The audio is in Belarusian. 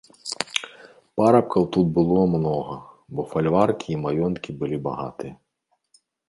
Парабкоў тут было многа, бо фальваркі і маёнткі былі багатыя.